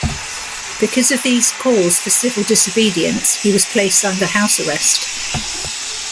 Because of these calls for civil disobedience, he was placed under house arrest.